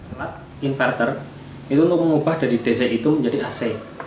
alat inverter itu untuk mengubah dari dc itu menjadi ac